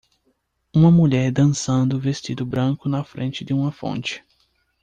Uma mulher dançando vestindo branco na frente de uma fonte.